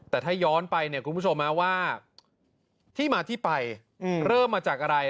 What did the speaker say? แต่ถ้าย้อนไปเนี่ยคุณผู้ชมว่าที่มาที่ไปเริ่มมาจากอะไร